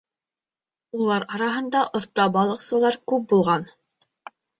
Улар араһында оҫта балыҡсылар күп булған.